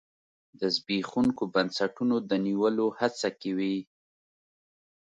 د زبېښونکو بنسټونو د نیولو هڅه کې وي.